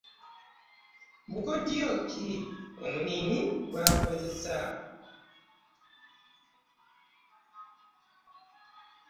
Bukodyo ki omulimi bw'akozesezza?